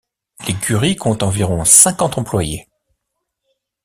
L'écurie compte environ cinquante employés.